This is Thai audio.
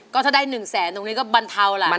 ก็ถ้าได้๑แสนตรงนี้ก็บรรเทาล่ะ